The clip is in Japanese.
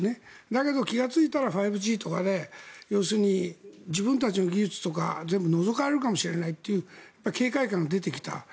だけど気がついたら５Ｇとかで要するに自分たちの技術とか全部のぞかれるかもしれないって警戒感が出てきた。